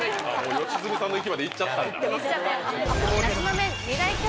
良純さんの域までいっちゃったんだ。